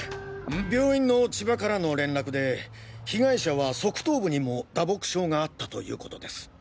病院の千葉からの連絡で被害者は側頭部にも打撲傷があったという事です。